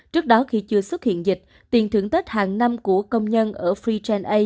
trước đó khi chưa xuất hiện dịch tiền thưởng tết hàng năm của công nhân ở frigen a